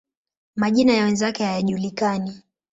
Majina ya wenzake hayajulikani.